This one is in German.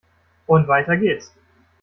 Und weiter geht's!